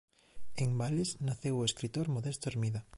En Vales naceu o escritor Modesto Hermida.